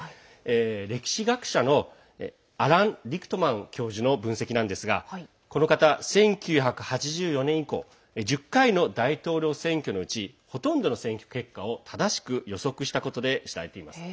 歴史学者のアラン・リクトマン教授の分析なんですがこの方、１９８４年以降１０回の大統領選挙のうちほとんどの選挙結果を正しく予測したことで知られています。